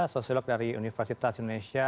sosiolog dari universitas indonesia